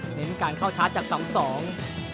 เน้นการเข้าชาร์จจากสองสอง